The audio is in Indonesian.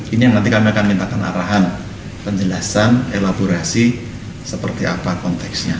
ini nanti kami akan mintakan arahan penjelasan elaborasi seperti apa konteksnya